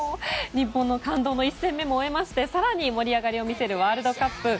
日本の感動の１戦目も終えまして更に盛り上がりを見せるワールドカップ